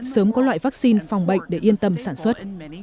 sớm có loại vaccine phòng bệnh để yên tâm sản xuất